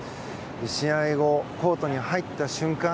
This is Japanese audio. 試合後、コートに入った瞬間